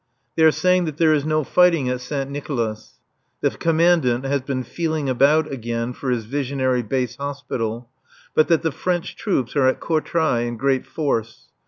They are saying that there is no fighting at Saint Nicolas (the Commandant has been feeling about again for his visionary base hospital), but that the French troops are at Courtrai in great force.